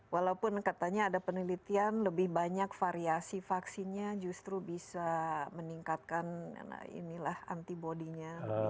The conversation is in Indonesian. walaupun katanya ada penelitian lebih banyak variasi vaksinnya justru bisa meningkatkan ini lah antibodynya